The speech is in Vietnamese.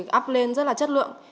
hedgergen rất là chất lượng